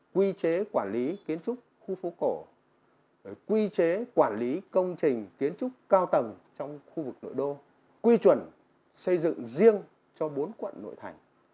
quy chế quản lý kiến trúc khu phố cổ quy chế quản lý công trình kiến trúc cao tầng trong khu vực nội đô quy chuẩn xây dựng riêng cho bốn quận nội thành